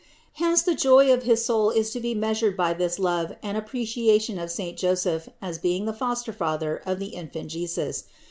Hence the joy of his soul is to be measured by this love and appreciation of saint Joseph as being the foster father of the Infant Jesus.